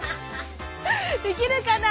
できるかな。